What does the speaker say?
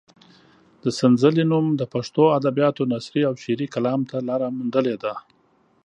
د سنځلې نوم د پښتو ادبیاتو نثري او شعري کلام ته لاره موندلې ده.